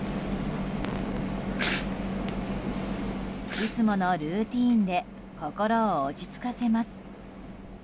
いつものルーティーンで心を落ち着かせます。